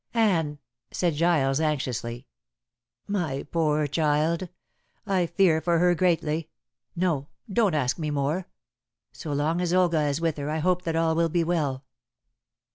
"Anne," said Giles anxiously. "My poor child. I fear for her greatly. No! Don't ask me more. So long as Olga is with her I hope that all will be well.